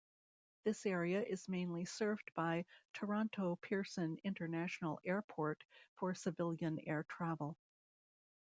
This area is mainly served by Toronto Pearson International Airport for civilian air travel.